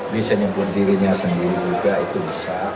bisa nyebut dirinya sendiri juga itu bisa